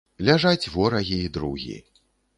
Ляжаць ворагі і другі.